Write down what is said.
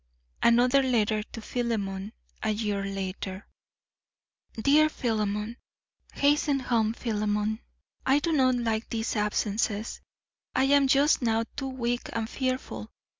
Another letter to Philemon, a year later: DEAR PHILEMON: Hasten home, Philemon; I do not like these absences. I am just now too weak and fearful.